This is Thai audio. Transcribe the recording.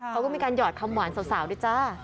เขาก็มีการหยอดคำหวานสาวด้วยจ้า